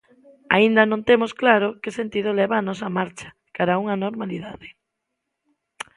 Aínda non temos claro que sentido leva a nosa marcha cara a unha normalidade.